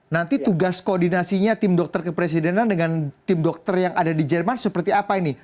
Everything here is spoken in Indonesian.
nanti tugas koordinasinya tim dokter kepresidenan dengan tim dokter yang ada di jerman seperti apa ini